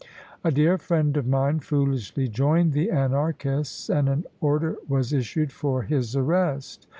A dear friend of mine foolishly joined the Anarchists, and an order was issued for his arrest.